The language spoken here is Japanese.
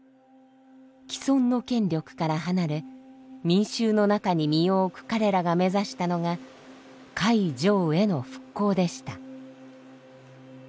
既存の権力から離れ民衆の中に身を置く彼らが目指したのが戒定慧の復興でした。